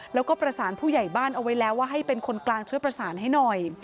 แล้วก็ประสานผู้ใหญ่บ้านเอาไว้แล้วว่าให้เป็นคนกลางช่วยประสานให้หน่อย